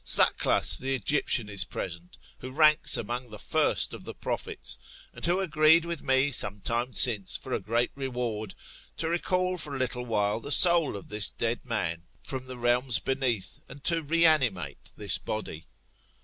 Zachlas, the Egyptian, is present, who ranks among the first of the prophets®, and who agreed with me some time since, for a great reward, to recall for a little while the soul of this dead man from the realms beneath, and to reanimate this body.